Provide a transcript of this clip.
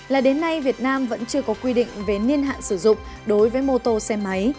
là đến nay việt nam vẫn chưa có quy định về niên hạn sử dụng đối với mô tô xe máy